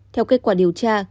theo kết quả điều tra